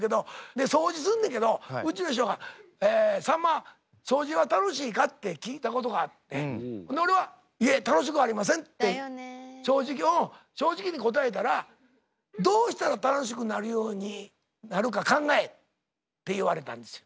で掃除すんねんけどうちの師匠が「さんま掃除は楽しいか？」って聞いたことがあって俺は「いえ楽しくありません」ってうん正直に答えたら「どうしたら楽しくなるようになるか考え」って言われたんですよ。